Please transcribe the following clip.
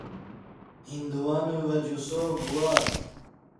ہندوانے ڤے جوسو گوآت